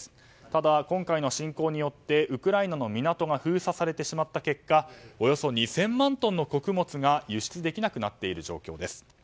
ただ、今回の侵攻によってウクライナの港が封鎖されてしまった結果およそ２０００万トンの穀物が輸出できなくなっている状況です。